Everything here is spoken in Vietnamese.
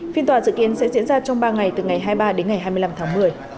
phiên tòa dự kiến sẽ diễn ra trong ba ngày từ ngày hai mươi ba đến ngày hai mươi năm tháng một mươi